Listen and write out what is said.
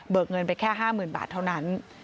เบิกเงินไปแค่ห้าหมื่นบาทเท่านั้น